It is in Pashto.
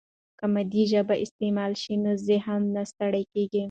که مادي ژبه استعمال شي، نو ذهن نه ستړی کیږي.